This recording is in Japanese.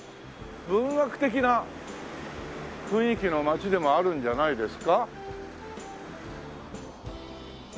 文学的な雰囲気の街でもあるんじゃないですか？